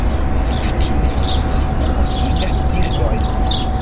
Kutime ĝi ne mortigas birdojn.